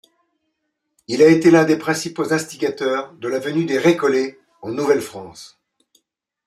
Il a été l'un des principaux instigateurs de la venue des Récollets en Nouvelle-France.